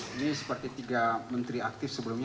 ini seperti tiga menteri aktif sebelumnya